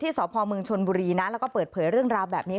สพเมืองชนบุรีนะแล้วก็เปิดเผยเรื่องราวแบบนี้